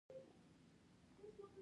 تاریخ د خپل ولس نښان نښه کوي.